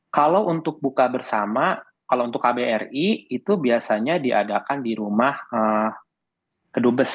kalau untuk buka bersama kalau untuk kbri itu biasanya diadakan di rumah kedubes